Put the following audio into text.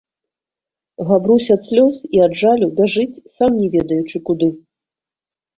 Габрусь ад слёз i ад жалю бяжыць, сам не ведаючы куды.